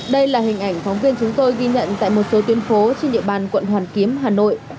đây là hình ảnh phóng viên chúng tôi ghi nhận tại một số tuyến phố trên địa bàn quận hoàn kiếm hà nội